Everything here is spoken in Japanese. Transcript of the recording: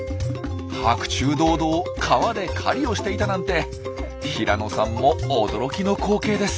白昼堂々川で狩りをしていたなんて平野さんも驚きの光景です。